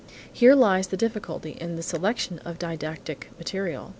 Here lies the difficulty in the selection of didactic material.